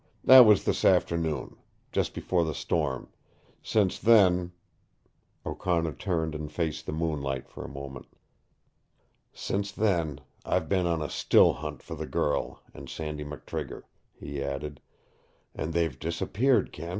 That was this afternoon, just before the storm. Since then " O'Connor turned and faced the moonlight for a moment. "Since then I've been on a still hunt for the girl and Sandy McTrigger," he added. "And they've disappeared, Kent.